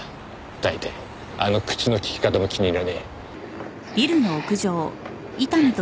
大体あの口の利き方も気に入らねえ。